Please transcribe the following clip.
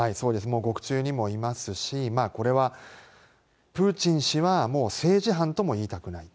もう獄中にもいますし、まあこれはプーチン氏はもう政治犯とも言いたくない。